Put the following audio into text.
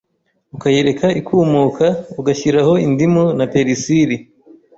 ukayireka ikumuka, uga shyiraho indimu na perisiri